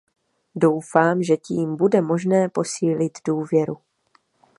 Doufám, že tím bude možné posílit důvěru.